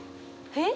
えっ？